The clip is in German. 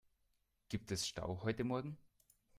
Gibt es Stau heute morgen?